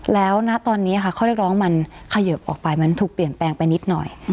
แล้วณตอนนี้ค่ะข้อเรียกร้องมันเขยิบออกไปมันถูกเปลี่ยนแปลงไปนิดหน่อย